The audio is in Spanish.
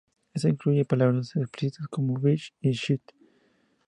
Esta incluye palabras explícitas como "Bitch" y "Shit".